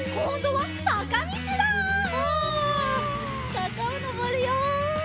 さかをのぼるよ！